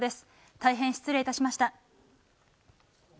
大変失礼致しました。